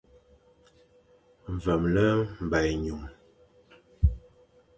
Vemle mba ényum.